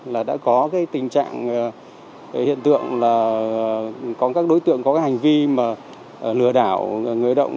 là đã có tình trạng hiện tượng là có các đối tượng có hành vi lừa đảo người động